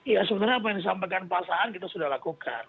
ya sebenarnya apa yang disampaikan pak saan kita sudah lakukan